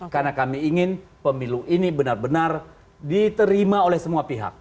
karena kami ingin pemilu ini benar benar diterima oleh semua pihak